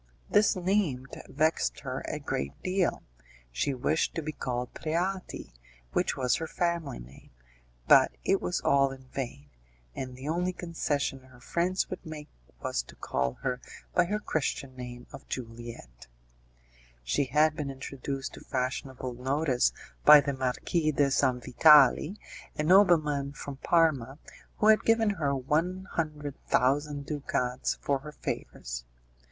This name vexed her a great deal, she wished to be called Preati, which was her family name, but it was all in vain, and the only concession her friends would make was to call her by her Christian name of Juliette. She had been introduced to fashionable notice by the Marquis de Sanvitali, a nobleman from Parma, who had given her one hundred thousand ducats for her favours.